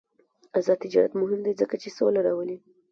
آزاد تجارت مهم دی ځکه چې سوله راولي.